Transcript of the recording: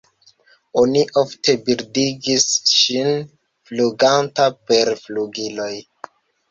Oni ofte bildigis ŝin fluganta per flugiloj.